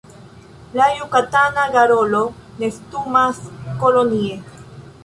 La Jukatana garolo nestumas kolonie.